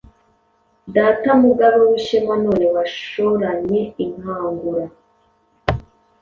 Data Mugabo w'ishema None washoranye inkangura